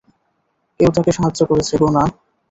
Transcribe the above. কেউ তাকে সাহায্য করেছে, গুনা।